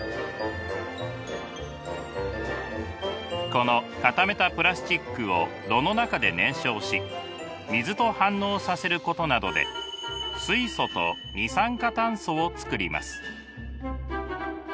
この固めたプラスチックを炉の中で燃焼し水と反応させることなどで水素と二酸化炭素を作ります。